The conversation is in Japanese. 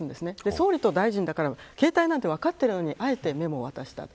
総理と大臣だから携帯なんて分かってるのにあえてメモを渡しました。